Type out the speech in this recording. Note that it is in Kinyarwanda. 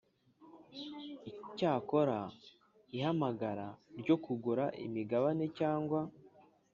Icyakora ihamagara ryo kugura imigabane cyangwa